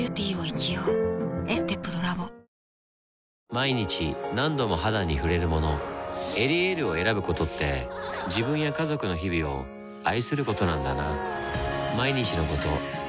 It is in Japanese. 毎日何度も肌に触れるもの「エリエール」を選ぶことって自分や家族の日々を愛することなんだなぁ